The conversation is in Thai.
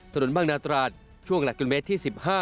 ถนนบางนาตราดช่วงหลักกิโลเมตรที่๑๕